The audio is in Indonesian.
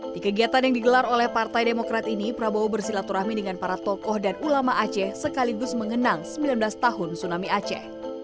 di kegiatan yang digelar oleh partai demokrat ini prabowo bersilaturahmi dengan para tokoh dan ulama aceh sekaligus mengenang sembilan belas tahun tsunami aceh